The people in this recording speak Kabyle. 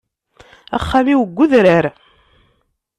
Axxam-iw deg udrar.